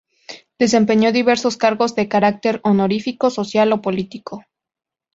Desempeñó diversos cargos de carácter honorífico, social o político.